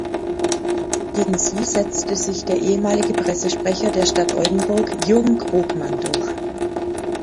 Gegen sie setzte sich der ehemalige Pressesprecher der Stadt Oldenburg Jürgen Krogmann durch.